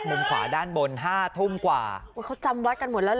มุมขวาด้านบนห้าทุ่มกว่าโอ้เขาจำวัดกันหมดแล้วเหรอ